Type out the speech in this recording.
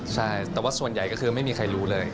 ใช่แต่ว่าส่วนใหญ่ก็คือไม่มีใครรู้เลย